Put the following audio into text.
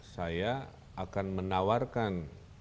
saya akan menawarkan